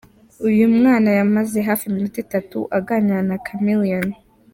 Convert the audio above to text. Uyu mwana yamaze hafi iminota itatu aganira na Chameleone.